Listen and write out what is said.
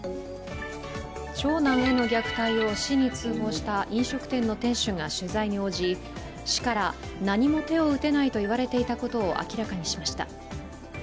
長男への虐待を市に通報した飲食店の店主が取材に応じ市から何も手を打てないと言われていたことを明らかにしました。